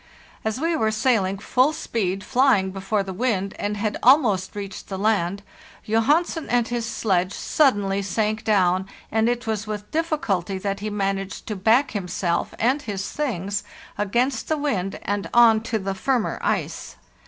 As we were sailing full speed, flying before the wind, and had almost reached the land, Johansen and his sledge suddenly sank down, and it was with difficulty that he managed to back himself and_ his things against the wind and on to the firmer ice.